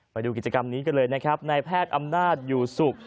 ไปดูกิจกรรมนี้กันเลยนะครับในแพทย์อำนาจอยู่สุข